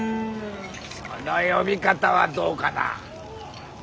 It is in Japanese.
その呼び方はどうかな。